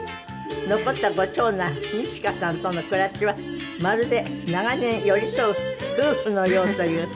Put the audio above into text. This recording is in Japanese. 残ったご長男二千翔さんとの暮らしはまるで長年寄り添う夫婦のようという大竹しのぶさんです。